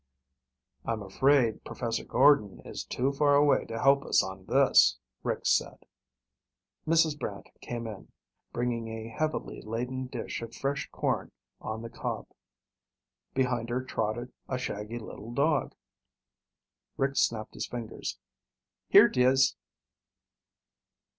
"I'm afraid Professor Gordon is too far away to help us on this," Rick said. Mrs. Brant came in, bringing a heavily laden dish of fresh corn on the cob. Behind her trotted a shaggy little dog. Rick snapped his fingers. "Here, Diz."